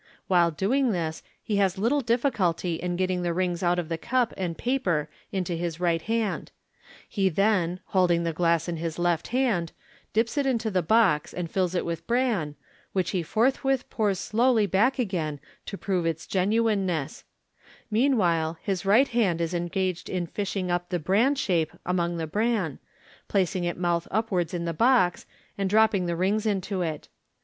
While doing this he has little difficulty in getting the rings out of the cup and papei into his right hand. He then, holding the glass in his left hand, dips it into the box, and fills it with bran, which he forthwith pours slowly back again to prove its genuineness Meanwhile, his right hand is engaged in fishing up the bran shape among the bran, placing it mouth upwards in the box, and dropping the rings into it.